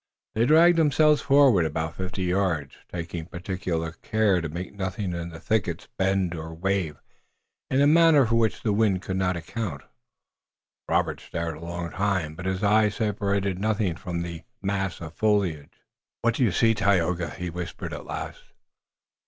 They dragged themselves forward about fifty yards, taking particular care to make nothing in the thickets bend or wave in a manner for which the wind could not account. Robert stared a long time, but his eyes separated nothing from the mass of foliage. "What do you see, Tayoga?" he whispered at last.